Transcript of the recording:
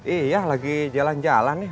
iya lagi jalan jalan nih